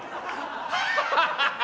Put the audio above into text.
ハハハハハ！